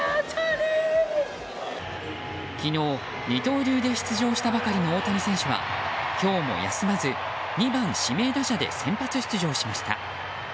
昨日、二刀流で出場したばかりの大谷選手は今日も休まず２番指名打者で先発出場しました。